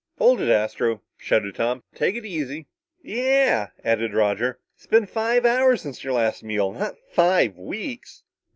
"Hold it, Astro," shouted Tom. "Take it easy." "Yeah," added Roger. "It's been five hours since your last meal not five weeks!"